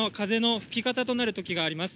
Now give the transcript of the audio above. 吹き方となるときがあります。